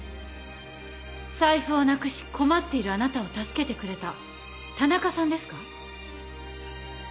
財布をなくし困っているあなたを助けてくれた田中さんですか？